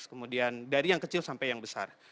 kemudian dari yang kecil sampai yang besar